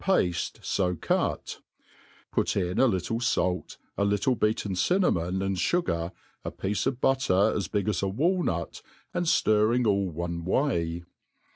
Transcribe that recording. pafte fo cut : put in a little fait, a little beaten cinnahion and fugar, a piece of butter as big as a walnut, and Sirring all oxle way.